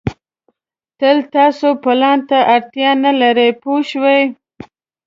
تل تاسو پلان ته اړتیا نه لرئ پوه شوې!.